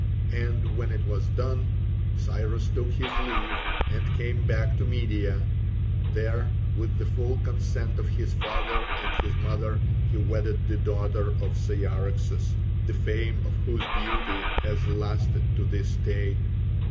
And when it was done, Cyrus took his leave and came back to Media. There, with the full consent of his father and his mother, he wedded the daughter of Cyaxares, the fame of whose beauty has lasted to this day.